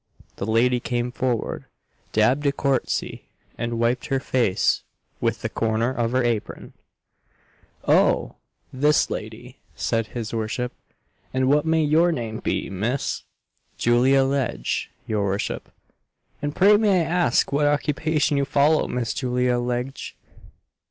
The lady came forward, dabbed a court'sy, and wiped her face with the corner of her apron. "Oh! this lady," said his worship; "and what may your name be, Miss?" "Julia Legge, your worship." "And pray may I ask what occupation you follow Miss Julia Legge?"